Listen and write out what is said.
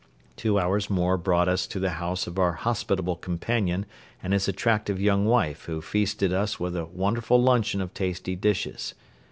Two hours more brought us to the house of our hospitable companion and his attractive young wife who feasted us with a wonderful luncheon of tasty dishes.